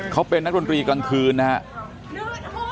เขาเป็นนักดนตรีกลางคืนนะครับ